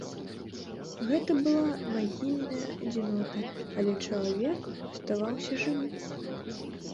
Гэта была магільная адзінота, але чалавек аставаўся жывы.